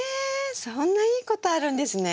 そんないいことあるんですね。